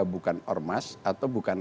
bukan ormas atau bukan